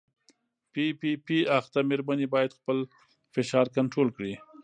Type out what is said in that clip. پي پي پي اخته مېرمنې باید خپل فشار کنټرول کړي.